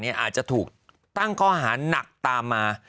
อาจจะถูกตั้งข้อหานักตามมา